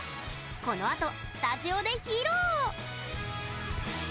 このあと、スタジオで披露！